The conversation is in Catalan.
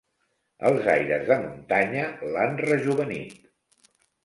Els aires de muntanya l'han rejovenit.